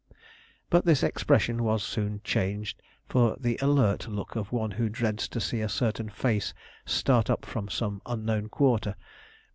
But this expression was soon changed for the alert look of one who dreads to see a certain face start up from some unknown quarter.